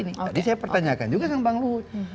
tadi saya pertanyakan juga sama bang luhut